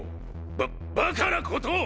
バッバカなことを！！